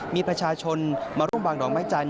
มีประชาชนมาร่วมวางดอกไม้จันท